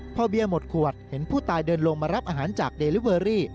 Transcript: พอเบียร์หมดขวดเห็นผู้ตายเดินลงมารับอาหารจากเดลิเวอรี่